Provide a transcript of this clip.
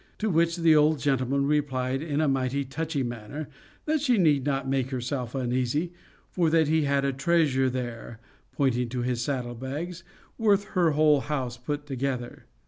To which the old gentleman replied in a mighty touchy manner, that she need not make herself uneasy, for that he had a treasure there (pointing to his saddle bags) worth her whole house put together.